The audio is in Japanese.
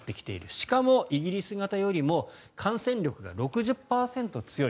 しかもイギリス型よりも感染力が６０％強い。